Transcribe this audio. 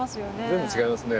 全部違いますね。